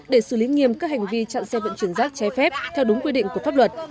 để xử lý nghiêm các hành vi chặn xe vận chuyển rác trái phép theo đúng quy định của pháp luật